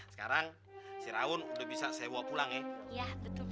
sekarang si rawun udah bisa sewa pulang ya